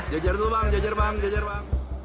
jajar tuh bang jajar bang jajar bang